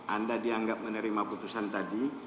anda dianggap menerima putusan tadi